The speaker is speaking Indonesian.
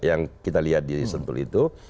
yang kita lihat di sentul itu